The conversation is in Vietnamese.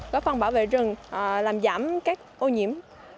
góp phần bảo vệ rừng làm giảm các ô nhiễm